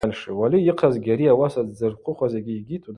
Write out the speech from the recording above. Уали йыхъаз Гьари ауаса дзырхъвыцуаз ауи йаща Амин йыхъазла акӏвын.